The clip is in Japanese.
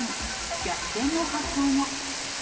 逆転の発想も。